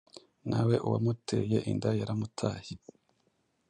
nawe uwamuteye inda yaramutaye,